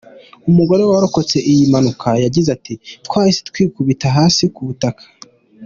Umugore warokotse iyi mpanuka yagize ati : "Twahise twikubita hasi ku butaka.